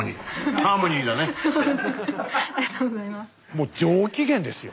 もう上機嫌ですよ